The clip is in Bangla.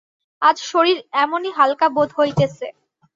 আজ শরীর এমনি হালকা বোধ হইতেছে!